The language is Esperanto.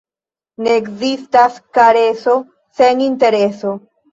Ne ekzistas kareso sen intereso.